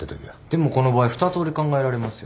でもこの場合２通り考えられますよね。